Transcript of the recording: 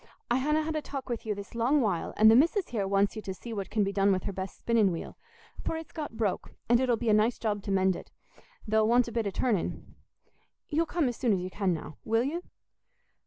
I hanna had a talk with you this long while, and the missis here wants you to see what can be done with her best spinning wheel, for it's got broke, and it'll be a nice job to mend it—there'll want a bit o' turning. You'll come as soon as you can now, will you?"